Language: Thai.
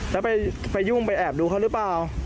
แล้วไปยุ่งไปแอบดูเขาหรือเปล่า